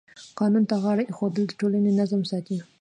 قانون ته غاړه ایښودل د ټولنې نظم ساتي.